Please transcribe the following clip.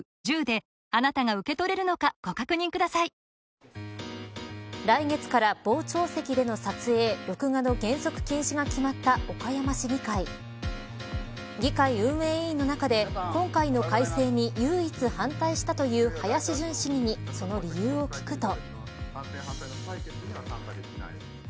しかし来月から、傍聴席での撮影録画の原則禁止が決まった岡山市議会。議会運営委員の中で今回の改正に唯一、反対したという林潤市議にその理由を聞くと。